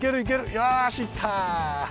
よしいった。